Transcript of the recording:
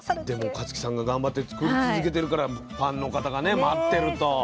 でも香月さんが頑張って作り続けてるからファンの方がね待ってると。